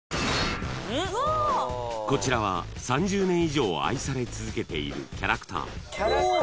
［こちらは３０年以上愛され続けているキャラクター］